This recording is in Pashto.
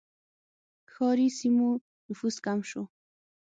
ښاري سیمو نفوس کم شو.